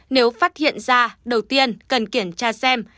nếu phát hiện ra đầu tiên cần kiểm tra xem